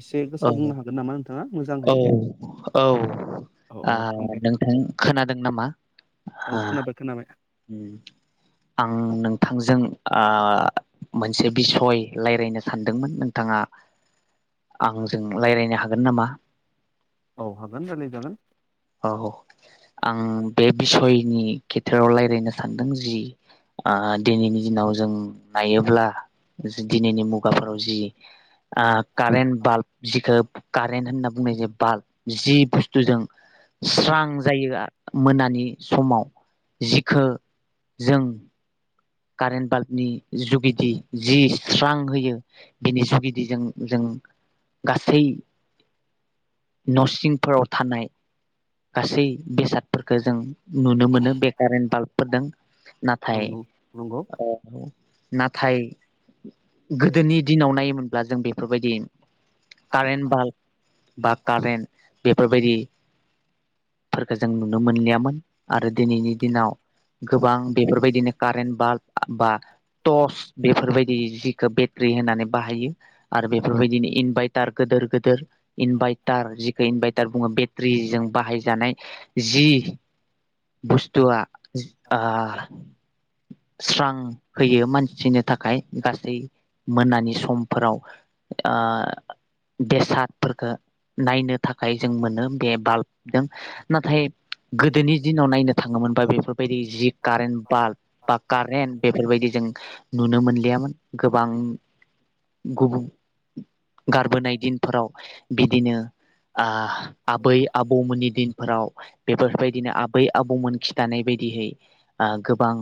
एसे औ गोसा बुंनो हागोन नामा नोंथाङा? औ मोजाङै औ औ आ औ हामबाय नोंथां खोनादों नामा? औ आ खोनाबाय खोनाबाय उम आं नोंथांजों ओ मोनसे बिसय रायलायनो सानदोंमोन नोंथाङा आंजों रायलायनो हागोन नामा? औ हागोन रायलाय जागोन। औ आं बे बिसयनि खेथ्रआव रायलायनो सानदों जि ओ दिनैनि दिनाव जों नायोब्ला जि दिनैनि मुगाफोराव जि ओ कारेन्ट बाल्ब जिखो कारेन्ट होनना बुंनाय जा बाल्ब जि बुस्थुजों स्रां जायो आर मोनानि समाव जिखो जों कारेन्ट बाल्बनि जुगिदि जि स्रां होयो बिनि जुगिदिजों जों गासै नसिंफोराव थानाय गासै बेसादफोरखो जों नुनो मोनो बे कारेन्ट बाल्बफोरदों औ नाथाय नंगौ ओ नाथाय गोदोनि दिनाव नायोमोनब्ला जों बेफोरबायदि कारेन्ट बाल्ब बा कारेन्ट बेफोरबायदि फोरखौ जों नुनो मोनलियामोन आरो दिनैनि दिनाव गोबां बेफोरबायदिनो कारेन बालफ बा टर्च बेफोरबायदि जिखौ बेट्रि होनानै बाहायो आरो बेफोरबायदिनो इनभायटार गोदोर गोदोर इनभायटार जिखौ इनभाय टार बुंङो बेटारिजों बाहायजानाय जि बुस्थुआ ओ स्रां होयो मानसि सिनो थाखाय गासै मोनानि समफोराव ओ बेसादफोरखो नायनो थाखाय जों मोनो बे बालफ जों नाथाय गोदोनि दिनाव नायनो थांङोमोनबा बे बायदि जि कारेनट बालफ बाल कारेन्ट बेफोरबायदि जों नुनो मोनि गैयामोन गोबां गुबुन गारबोनाय दिनफोराव बिदिनो ओ आबै आबौमोननि दिनफोराव बेफोरबायदिनो आबै आबौमोन खि दानाय बायदिहै ओ गोबां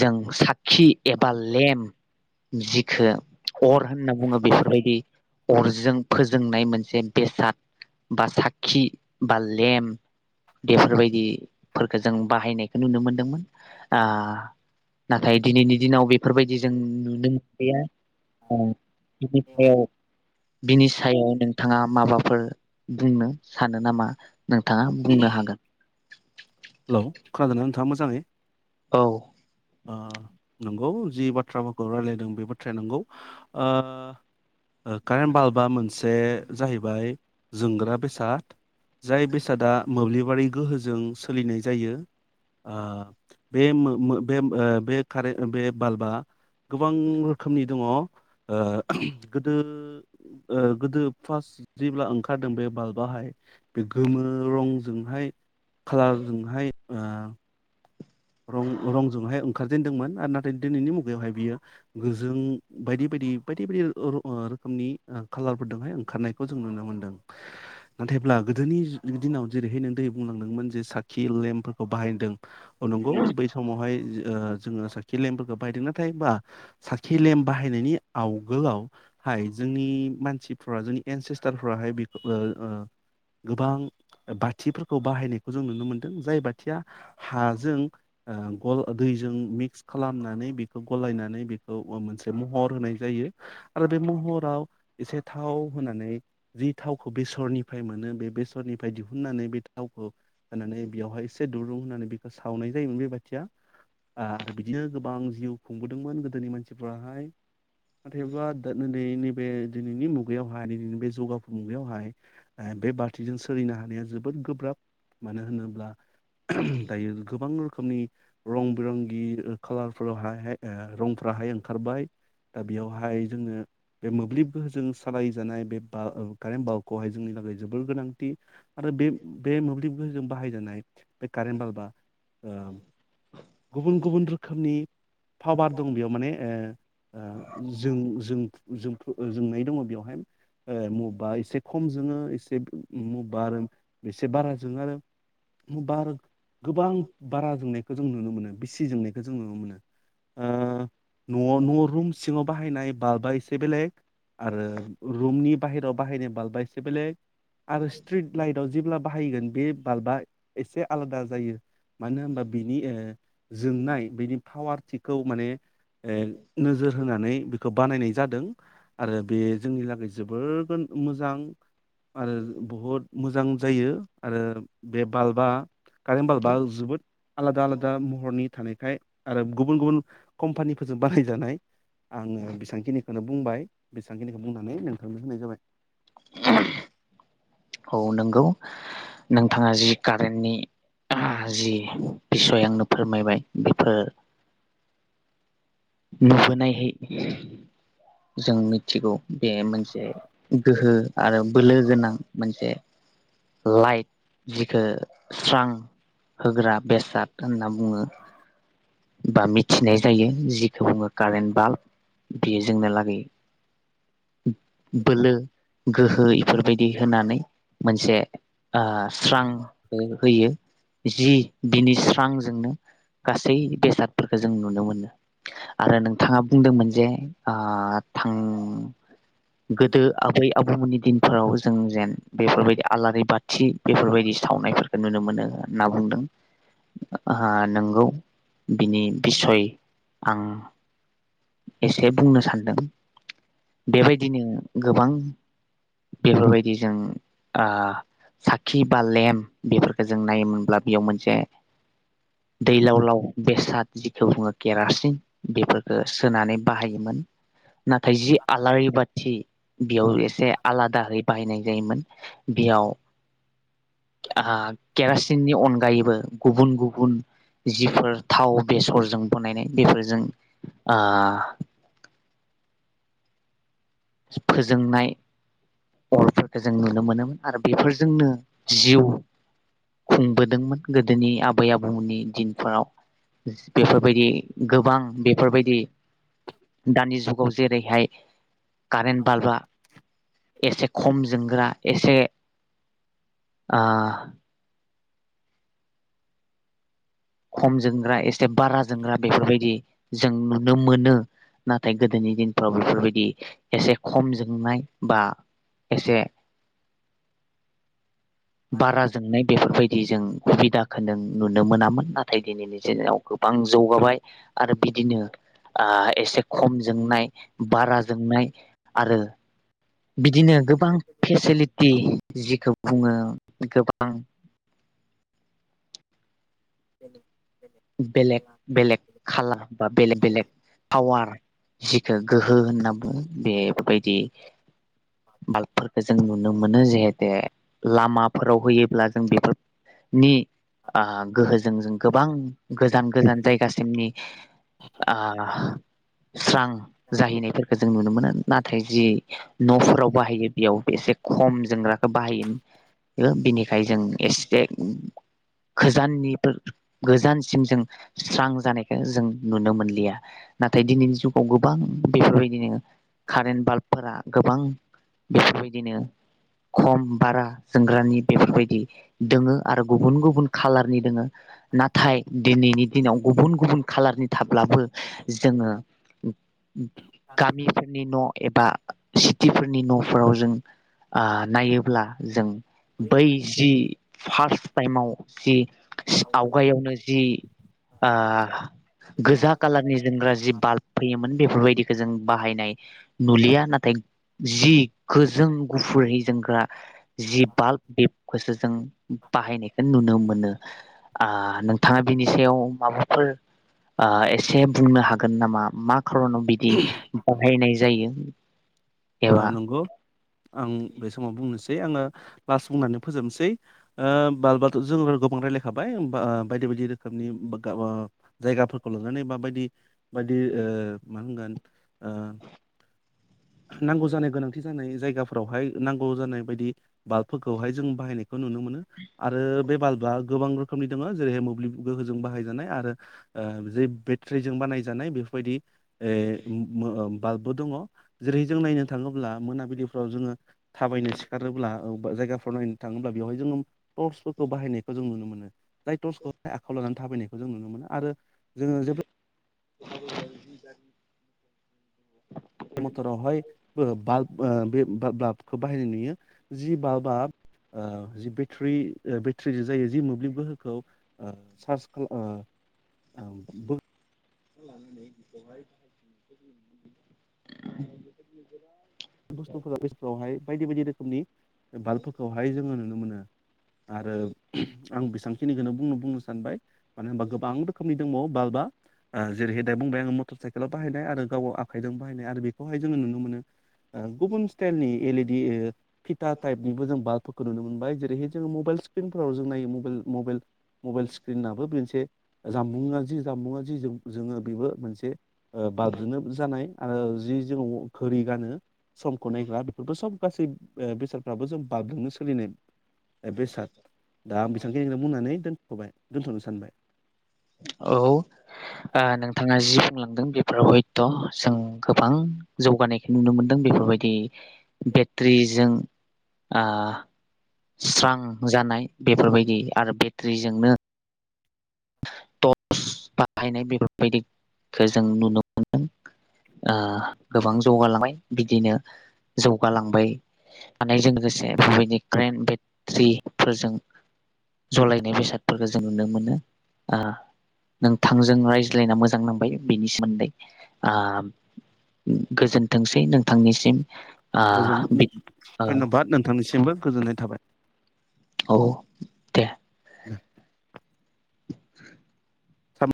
जों साखि एबा लेम जिखो अर होनना बुंङो बेफोरबायदि अरजों फोजोंनाय मोनसे बेसाद बा साखि बा लेम बेफोरबायदि फोरखो जों बाहायनायखौ नुनो मोनदोंमोन। ओ नाथाय दिनैनि दिनाव बेफोरबायदि जों नुनो मोनलिया औ बिनि सायाव बिनि सायाव नोंथाङा माबाफोर बुंनो सानो नामा। नोंथाङा बुंनो हागोन। हेलौ खोनादोंना नोंथाङा मोजाङै औ ओ नंगौ जि बाथ्राफोरखौ रायलायदों बे बाथ्राया नंगौ ओ कारेन्ट बालफबा मोनसे जाहैबाय जोंग्रा बेसाद जाय बेसादा मोब्लिब बारि गोहोजों सोलिनाय जायो ओ बे मो-मो बे कारे बालफबा गोबां रोखोमनि दङ' ओ गोदो ओ गोदो फार्स्ट जेब्ला ओंखारदों बे बाल्बआहाय बे गोमो रंजोंहाय खालारजोंहाय ओ। रं रंजोंहाय ओंखारजेनदोंमोन आरो नाथाय दिनैनि मुगायावहाय बियो गोजों बायदि बायदि बायदि बायदि ओ रो ओ रोखोमनि ओ खालारफोरदोंहाय ओंखारनायखौ जों नुनो मोनदों नाथायब्ला गोदोनि जि दिनाव जेरैहाय नों दै बुंलांदोंमोन जे साखि लेम्पफोरखौ बाहायदों। औ नोंगौ बै समावहाय ओ जोङो साखि लेम्फोरखौ बाहायदों नाथाय बा साखि लेम बाहायनायनि आवगोलआवहाय जोंनि मानसिफ्रा जोंनि एनसेस्टारफ्राहाय बिखौ ओ ओ गोबां बाथिफोरखौ बाहायनायखौ जों नुनो मोनदों जाय बाथिया हा जों ओ गल ओ दैजों मिक्स खालामनानै बिखौ गलायनानै बिखौ ओ मोनसे महर होनाय जायो आरो बे महराव एसे थाव होनानै जि थावखौ बेसर निफाय मोनो बे बेसर निफाय दिहुनानै बे थावखौ होनानै बियावहाय इसे दुरुं होनानै बि खो सावनाय जायोमोन बे बाथिया ओ आरो बिदिनो गोबां जिउ खुंबोदोंमोन गोदोनि मानसिफ्राहाय नाथायबा दा नोदै नैबे दिनैनि मुगायावहाय दिनै नि बे जौगाफु मुगायावहाय। ओ बे बाथिजों सोलिनो हा नाया जोबोद गोब्राब मानो होनोब्ला। [inaudible] गोबां रोखोमनि। रं बिरंगि ओ कालारफोरावहा हाय ओ रंफ्राहाय ओंखारबाय। दा बेयावहाय जोङो बे मोब्लिब गोहोजों सालाय जानाय बे बा ओ कारेन्ट बाल्ब खौहाय जोंनि लागै जोबोर गोनांथि। आरो बे बे मोब्लिब फोरजों बाहायजानाय बे कारेन्ट बाल्ब बा ओ गुबुन गुबुन रोखोमनि पावार दं बेयाव माने ओ ओ जों जोंफु जों ओ जोंनाय दङ बेवहाय। ओ मबबा एसे खम खम जोङो एसे मबबा आरो एसे बारा जोङो आरो मबबा आरो गोबां बारा ज जोंनायखौ जों नुनो मोनो बिसि जोंनायखौ जों नुनो मोनो। ओ न'आव न' रुम सिङाव बाहायनाय बाल्बा एसे बेलेग आरो रुमनि बाहेराव बाहायनाय बाल्बा एसे बेलेग‌। आरो स्ट्रिट लाइटआव जेब्ला बाहायगोन बे बाल्बा एसे आलादा जायो मानो होनबा बिनि ओ जोंनाय बिनि पावार थिग खौ माने ओ नोजोर होनानै बि खौ बानायनाय जादों आरो बे जोंनि लागै जोबोर गो मोजां। आरो बहुद मोजां जायो आरो बे बाल्बा। कारेन्ट बाल्ब जोबोद आलादा आलादा महरनि थानाय खाय आरो गुबुन गुबुन कम्पानिफोरजों बानायजानाय आङो बेसांखिनिखोनो बुंबाय बेसांखिनिखो बुंनानै नोंथांनो होनाय जाबाय। औ नोंगौ नोंथाङा जि कारेन्टनि जि बिसय आंनो फोरमायबाय बिफोर नुबोनायहै जों मिथिगौ। बे मोनसे गोहो आरो बोलो गोनां मोनसे लाइट जिखो स्रां होग्रा बेसाद होनना बुङो। बा मिथिनाय जायो जिखौ बुङो कारेन्ट बाल्ब बेयो जोंनो लागै बोलो गोहो इफोरबायदि होनानै मोनसे आ स्रांखो होयो। जि बिनि स्रांजोंनो गासै बेसादफोरखौ जों नुनो मोनो आरो नोंथाङा बुंदोंमोन जे ओ थां गोदो आबै आबौमोननि दिनफोराव जों जेन बेफोरबायदि आलारि बाथि बेफोरबायदि सावनायफोरखो नुनो मोनो होनना बुंदों आ नोंगौ। बिनि बिसय आं एसे बुंनो सानदों। बेबायदिनो गोबां बेफोरबायदि जों आ साखि बा लेम्प बेफोरखौ जों नायोमोनब्ला बेयाव मोनसे दैलाव लाव बेसाद जिखौ बुङो केरासिन बेफोरफोरखो सोनानै बाहायोमोन। नाथाय जि आलारि बाथि बेयाव एसे आलादाहै बाहायनाय जायोमोन। बेयाव आ केरा- केरासिननि अनगायैबो गुबुन-गुबुन जिफोर थाव बेसरजों बनायनाय बेफोरजों आ। फोजोंनाय अरफोरखौ जों नुनो मोनोमोन आरो बेफोरजोंनो जिउ खुंबोदोंमोन गोदोनि आबै आबौनि दिनफोराव बेफोरबायदि गोबां बेफोरबायदि दानि जुगाव जेरैहाय कारेन्ट बाल्बा एसे खम जोंग्रा एसे आ खम जोंग्रा एस से बारा जोंग्रा बेफोरबायदि। जों नुनो मोनो नाथाय गोदोनि दिनफ्राव बेफोरबायदि एसे खम जोंनाय बा एसे बारा जोंनाय बेफोरबायदि जों सुबिदाखौ नों नुनो मोनामोन नाथाय दिनैनि दिनाव गोबां जौगाबाय आरो बिदिनो आ एसे खम जोंनाय बारा जोंनाय आरो बिदिनो गोबां फेसिलिटि जिखौ बुङो गोबां [inaudible] बेलेग-बेलेग खला ब बेलेग-बेलेग पावार जिखो गोहो होनना [unintelligible] बेबायदि बाल्बफोरखौ जों नुनो मोनो जिहेते लामाफोराव होयोब्ला जों बेफोर नि आ गोहोजों जों गोबां गोजान-गोजान जायगासिमनि आ जाबाय स्रां जाहैनायफोरखौ जों नुनो मोनो नाथाय जि न'फोराव बाहायो बेयाव एसे खम जोंग्राखौ बाहायो बिनिखायनो जों एसे गोजाननिबो गोजान सिम जों स्रां जानायखौ जों नुनो मोनलिया नाथाय दिनैनि जुगाव गोबां बेफोरबायदिनो कारेन्ट बाल्बफोरा गोबां बेफोरबायदिनो खम बारा जोंग्रानि बेफोरबायदि दोङो आरो गुबुन गुबुन खालारनि दोङो नाथाय दिनैनि दिनाव गुबुन गुबुन खालारनि थाब्लाबो जोङो गामिफोरनि न' एबा सिटिफोरनि न'फोराव जों ओ नायोब्ला जों बै जि फार्स्ट टाइमाव जि आवगायावनो। ओ गोजा कालारनि जोमग्रा जि बाल्ब फैयोमोन बेफोरबायदि। बिदखो जों बाहायनाय नुलिया नाथाय जि गोजों गुफुरै जोंग्रा। जि बाल्ब बेखौसो जों बाहायनायखौ नुनो मोनो। [unintelligible] था बिनि सायाव माबाफोर आ एसे बुंनो हागोन नामा मा? [unintelligible] बिदि बाहायनाय जायो एबा ओ नंगौ आं बे समाव बुंनोसै आङो लास्ट बुंनानै फोजोबनोसै, ओ बाब्लाथ' जोङो गोबां रायजलायखाबाया बायदि बायदि रोखोमनि जायगाफोरखौ लुनानै बा बायदि बायदि ओ मा होनगोन ओ नांगौ जानाय गोनांथि जानाय जाय। जायगाफोरावहाय नांगौ जानाय बायदि बाल्बफोरखौहाय जों बाहायनायखौ नुनो मोनो। आरो बे बाल्बा गोबां [unintelligible] रोखोमनि दङ जेरैहाय मोब्लिब गोहोजों बाहायजानाय आरो जे बेटारिजों बानायजानाय बेफोरबायदि। ए ओम ओम-मो-ओम। बाल्बबो दङ। जेरै जों नायनो थाङोब्ला मोनाबिलिफ्राव जोङो थाबायनो सिखारोब्ला जायगाफ्राव नायनो थाङोब्ला बेवहाय जोङो टर्सफोरखौ बाहायनायखौ जों नुनो मोनो।। जाय तर्सखौहाय आखायाव लानानै थााबायनायखौ जों नुनो मोनो आरो जोङो जेब्ला [inaudible] मथ'रावहायबो बाल्ब बे बाल्ब-ब्लाबखौ बाहायनाय नुयो, जि बाल्बा ओ जि बेट्रि ओ बेट्रिजो जायो जि मोब्लिब गोहोखौ ओ चार्ज खालाम ओ ओम लानानै बेखौहाय बे नोरा [unintelligible] बुस्थुफोरा बेस्थवाहाय बायदि बायदि रोखोमनि बे बाल्फोरखौहाय जोङो नुनो मोनो। आरो आं बेसेबां खिनिखौनो बुंनो बुंनो सानबाय मानो होनोबा गोबां रोखोमनि दंबावो बाल्ब जेरै दाय बुंबाय आङ मटर साइकेलाव बाहायनाय आरो गाव गाव आखाइजों बाहायनाय आरो बेखौहाय जोङो नुनो मोनो। ओ गुबुन स्टाइलनि एल इ डि ओ फिथा टाइपनिबो जों बाल्बफोरखौ नुनो मोनबाय जेरैहाय जोङो मबाइल स्क्रिनफोराव जों नायो मबाइल मबाइल मबाइल स्क्रिनाबो मोनसे जामबुंङा जि जामबुंङा जि जोङो बेबो मोनसे बाल्बजोंनो जानाय आरो जि जोंङो धङी गानो समखौ नायग्रा बेफोरबो सब गासै ओ बेसादफ्राबो जों बाल्बजोंनो सोलिनाय। ए बेसाद दा आं बेसेबांखिनो बुंनानै दोन हाय दोनथ'नो सानबाय। औ ओ नोंथाङा जि लांदों बेफोराव हयथ' जों गोबां जौगानायखौ नुनो मोनदों बेफोरबायदि बेटारिजों ओ स्रां जानाय बेफोरबायदि आरो बेटारिजोंनो टर्च बाहायनाय बेफोरबायदिखौ जों नुनो मोनदों। ओ गोबां जौगालांबाय बिदिनो जौगालांबाय थानायानायजों लोगोसे बेफोरबायदि क्रेन बेट्रिफोरजों जलायनाय बेसादफोरखौ जों नुनो मोनो। ओ नोंथांजों रायज्लायना मोजां नांबाय ओ बिनि सोमोन्दै गोजोनथोंसै नोंथांनिसिम। ओ गोजोन बि औ धन्बाद नोंथांनिसिमबो। गोजोननाय थाबाय। औ दे ओम [unintelligible] सम'